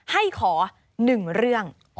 ให้ขอหนึ่งเรื่อง